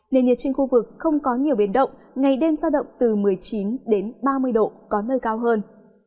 nền nhiệt trên khu vực không có nhiều biển động ngày đêm sao động từ một mươi chín đến ba mươi độ có nơi cao hơn